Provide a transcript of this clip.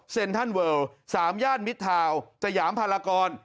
เซ็นทันเวิลสามญาติมิดทาวน์จยามพลากร